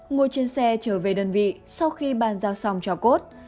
ngồi trên xe trở về đơn vị sau khi bàn giao xong cho cốt